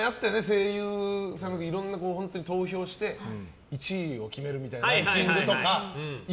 声優さん、いろんな投票して１位を決めるみたいなランキングとか。